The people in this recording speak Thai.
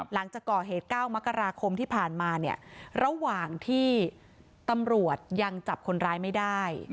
หลังจากก่อเหตุ๙มกราคมที่ผ่านมาเนี่ยระหว่างที่ตำรวจยังจับคนร้ายไม่ได้